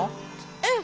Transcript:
うん！